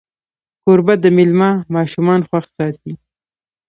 کوربه د میلمه ماشومان خوښ ساتي.